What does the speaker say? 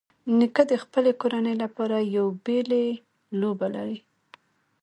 نیکه د خپلې کورنۍ لپاره یو بېلې لوبه لري.